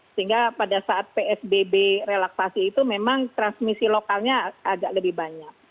sehingga pada saat psbb relaksasi itu memang transmisi lokalnya agak lebih banyak